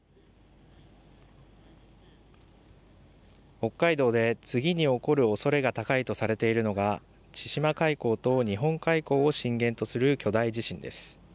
北海道で次に起こるおそれが高いとされているのが、千島海溝と日本海溝を震源とする巨大地震です。